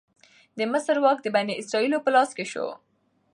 د مصر واک د بنی اسرائیلو په لاس کې شو.